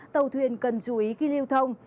tàu thuyền cần chú ý khi lưu thông